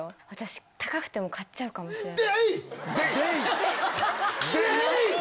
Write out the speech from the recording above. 私、高くても買っちゃうかもしれない。